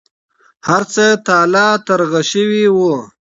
هر څه تالا ترغه شوي وو.